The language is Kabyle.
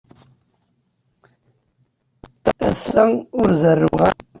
Ass-a, ur zerrweɣ ara.